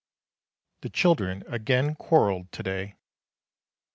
The children again quarrelled to day.